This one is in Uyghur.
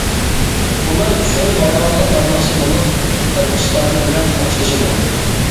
ئۇلار چۆل باياۋانغا بارماقچى بولۇپ، پىر ئۇستازى بىلەن خوشلىشىدۇ.